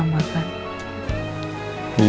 sampai jumpa lagi